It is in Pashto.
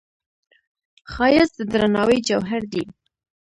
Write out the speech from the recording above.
ښایست د درناوي جوهر دی